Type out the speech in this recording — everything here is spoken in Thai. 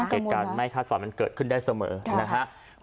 เกิดการไหม้ทัศน์ฝันมันเกิดขึ้นได้เสมอนะคะ